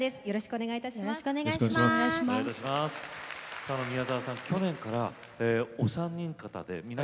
よろしくお願いします。